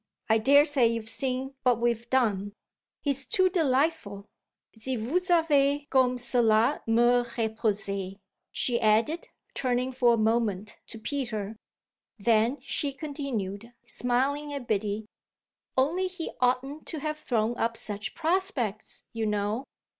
I daresay you've seen what we've done he's too delightful. Si vous saviez comme cela me repose!" she added, turning for a moment to Peter. Then she continued, smiling at Biddy; "Only he oughtn't to have thrown up such prospects, you know.